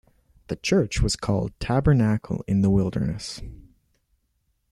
The church was called Tabernacle In The Wilderness.